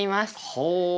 ほう。